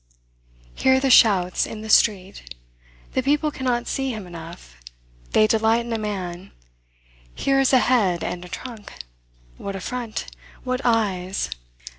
Hear the shouts in the street! The people cannot see him enough. They delight in a man. Here is a head and a trunk! What a front! What eyes!